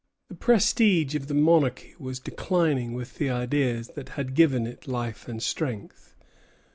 The prestige of the monarchy was declining with the ideas that had given it life and strength.